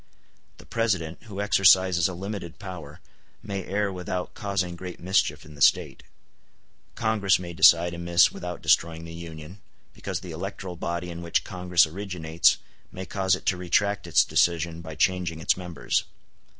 The President, who exercises a limited power, may err without causing great mischief in the State. Congress may decide amiss without destroying the Union, because the electoral body in which Congress originates may cause it to retract its decision by changing its members.